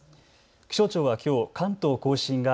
気象庁はきょう、関東甲信が